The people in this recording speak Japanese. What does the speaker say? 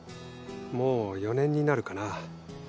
もう４年になるかな。